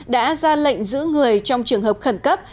đã ra lệnh giữ người trong trường hợp khẩn cấp